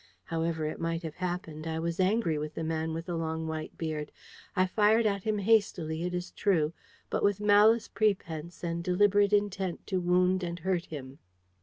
However it might have happened, I was angry with the man with the long white beard: I fired at him hastily, it is true, but with malice prepense and deliberate intent to wound and hurt him.